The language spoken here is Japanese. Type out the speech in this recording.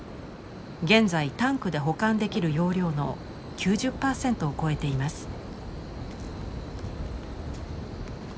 現在タンクで保管できる容量の９０％を超えています。